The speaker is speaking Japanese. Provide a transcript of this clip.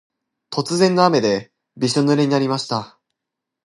突然の雨でびしょぬれになりました。